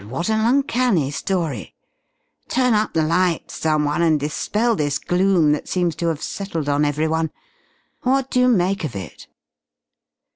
"Gad, what an uncanny story! Turn up the lights someone, and dispel this gloom that seems to have settled on everyone! What do you make of it?"